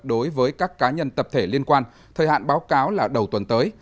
đối với các cá nhân tập thể liên quan thời hạn báo cáo là đầu tuần tới